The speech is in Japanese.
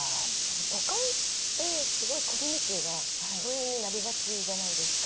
都会ってすごいコミュニティーが疎遠になりがちじゃないですか。